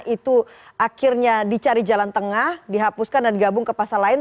itu akhirnya dicari jalan tengah dihapuskan dan digabung ke pasal lain